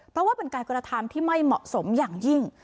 เพราะว่าเป็นการกระทำที่ไม่เหมาะสมอย่างยิ่ง